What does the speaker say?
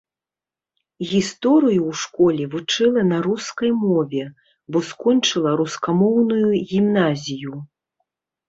Гісторыю ў школе вучыла на рускай мове, бо скончыла рускамоўную гімназію.